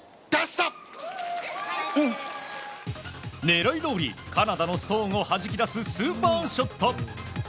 狙いどおりカナダのストーンをはじき出すスーパーショット。